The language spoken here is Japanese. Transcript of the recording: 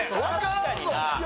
確かにな。